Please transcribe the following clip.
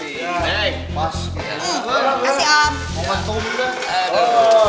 neng kasih om